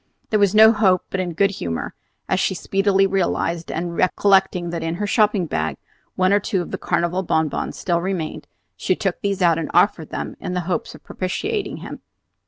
There was no hope but in good humor, as she speedily realized; and recollecting that in her shopping bag one or two of the Carnival bonbons still remained, she took these out and offered them in the hope of propitiating him.